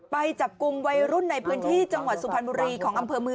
ไปจับกุมไวรุ่นในเที่ยวที่สุพรณบุรีได้ไหมคะ